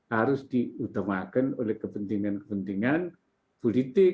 harus diutamakan oleh kepentingan kepentingan politik